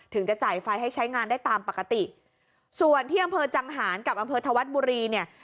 จะจ่ายไฟให้ใช้งานได้ตามปกติส่วนที่อำเภอจังหารกับอำเภอธวัฒน์บุรีเนี่ย